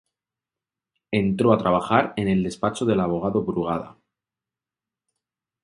Entró a trabajar en el despacho del abogado Brugada.